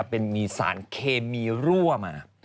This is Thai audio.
เป็นมีสารเคมีรั่วมา